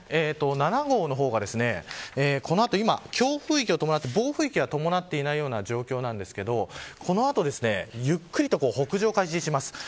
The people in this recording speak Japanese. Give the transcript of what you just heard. ７号の方がこの後、今は強風域暴風域は伴っていない状況ですがこの後ゆっくりと北上を開始します。